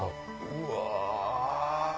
うわ。